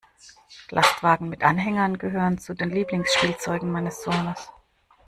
Lastwagen mit Anhängern gehören zu den Lieblingsspielzeugen meines Sohnes.